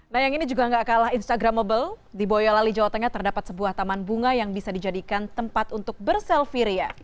nah yang ini juga gak kalah instagramable di boyolali jawa tengah terdapat sebuah taman bunga yang bisa dijadikan tempat untuk berselfie ria